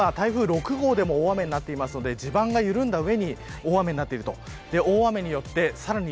こちらは台風６号でも大雨になっていますので地盤が緩んだ上に大雨になっていると。